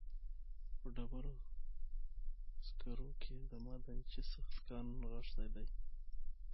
په ډبرو سکرو کې د معدنچي سخت کار نغښتی دی